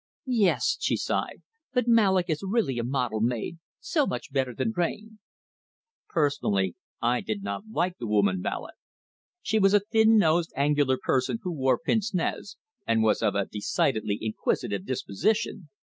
"Yes," she sighed. "But Mallock is really a model maid. So much better than Rayne." Personally, I did not like the woman Mallock. She was a thin nosed, angular person, who wore pince nez, and was of a decidedly inquisitive disposition.